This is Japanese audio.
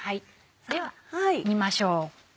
では煮ましょう。